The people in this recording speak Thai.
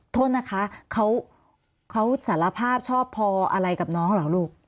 โทษนะคะเขาสารภาพชอบพออะไรกับน้องเหรอลูก